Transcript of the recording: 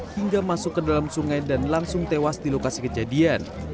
hingga masuk ke dalam sungai dan langsung tewas di lokasi kejadian